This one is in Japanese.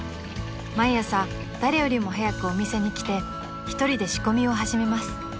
［毎朝誰よりも早くお店に来て１人で仕込みを始めます］